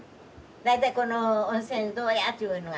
大体この温泉どうやっちゅうのが。